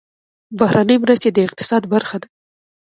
بهرنۍ مرستې د اقتصاد برخه ده